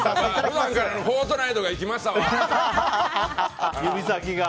普段からの「フォートナイト」が生きましたわ！